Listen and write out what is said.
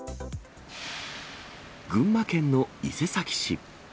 群馬県の伊勢崎市。